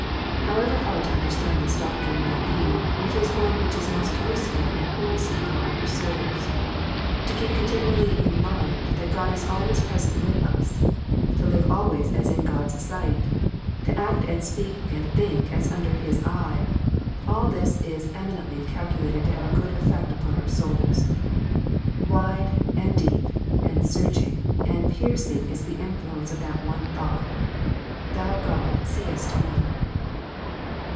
However hard to understand this doctrine may be, it is one which is most useful and wholesome for our souls. To keep continually in mind that God is always present with us, to live always as in God s sight, to act and speak and think as under His eye, all this is eminently calculated to have a good effect upon our souls. Wide, and deep, and searching, and piercing is the influence of that one thought, " Thou God seest me."